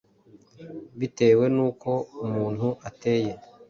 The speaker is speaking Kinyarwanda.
bitewe n’uko umuntu ateye :